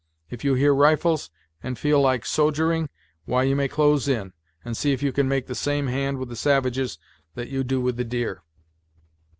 If you hear rifles, and feel like sogering, why, you may close in, and see if you can make the same hand with the savages that you do with the deer."